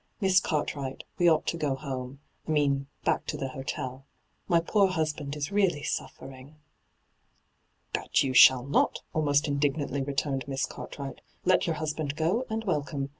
Miss Cart wright, we ought to go home — I mean, back to the hotel. My poor husband is reaUy suffering.' ' That you shall not,' almost indignantly returned Miss Cartwright. ' Let your hus band go, and welcome.